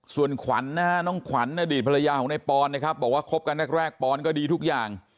ส่วนขวัญนะฮะน้องขวัญอดีตภรรยาของนายปอนนะครับบอกว่าคบกันแรกปอนก็ดีทุกอย่าง